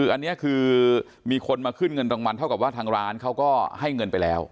อันนี้คือมีคนมาขึ้นเงินรางวัลเท่ากับว่าทางร้านเขาก็ให้เงินไปแล้ว